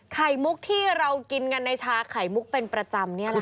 ไข่มุกที่เรากินกันในชาไข่มุกเป็นประจำนี่แหละค่ะ